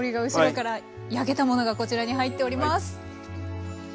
焼けたものがこちらに入っております。